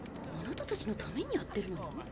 あなたたちのためにやってるのよ。